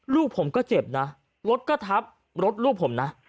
ลูกผมก็เจ็บนะรถก็ทับรถลูกผมนะ